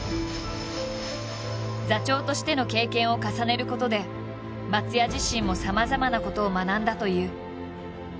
座長としての経験を重ねることで松也自身もさまざまなことを学んだという。